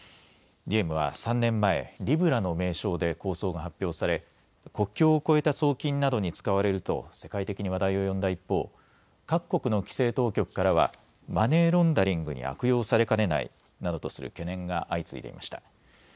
ディエムは３年前、リブラの名称で構想が発表され国境を越えた送金などに使われると世界的に話題を呼んだ一方、各国の規制当局からはマネーロンダリングに悪用されかねないなどとする懸念が相次いでいました。